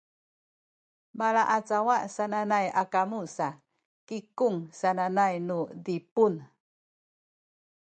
malaacawa sananay a kamu sa “kikung” sananay nu Zipun